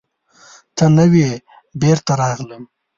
ته نه وې، بېرته راغلم.